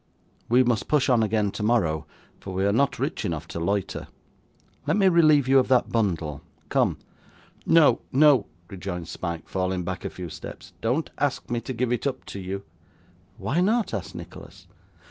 We must push on again tomorrow, for we are not rich enough to loiter. Let me relieve you of that bundle! Come!' 'No, no,' rejoined Smike, falling back a few steps. 'Don't ask me to give it up to you.' 'Why not?' asked Nicholas.